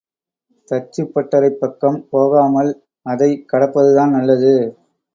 தச்சுப்பட்டறைப் பக்கம் போகாமல் அதைக் கடப்பதுதான் நல்லது.